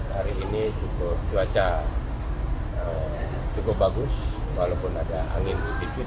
hari ini cukup cuaca cukup bagus walaupun ada angin sedikit